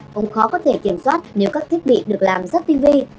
cũng khó có thể kiểm soát nếu các thiết bị được làm rất tinh vi